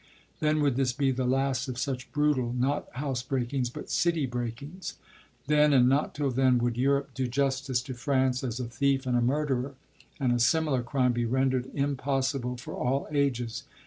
Then would this be the last of such brutal, not house breakings, but city breakings; then, and not till then, would Europe do justice to France as a thief and a murderer, and a similar crime be rendered impossible for all ages.